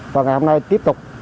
và ngày hôm nay tiếp tục